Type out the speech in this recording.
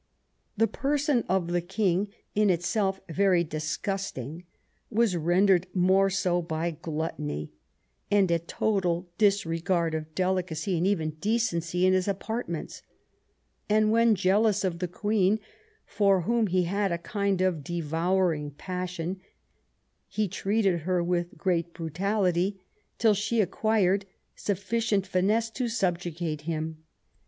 The person of the king, in itself very disgusting, was rendered more so by gluttony, and a total disregard of delicacy, and even decency, in his apartments ; and when jealous of the queen, for whom he had a kind of devouring passion, he treated her with great brutality, till she acquired sufficient finesse to subjugate him.